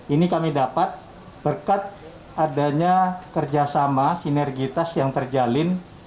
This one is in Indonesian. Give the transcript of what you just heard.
ini kami dapat berkat adanya kerjasama sinergitas yang terjalin